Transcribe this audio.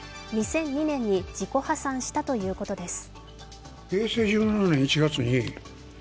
２００２年に自己破産したということです。